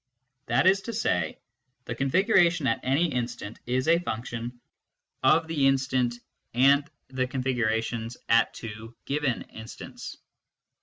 That is to say, the configuration at any instant is a function of that instant and the configurations at two given instants.